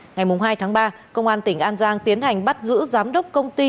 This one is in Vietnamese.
ngày hai tháng ba công an tỉnh an giang tiến hành bắt giữ giám đốc công ty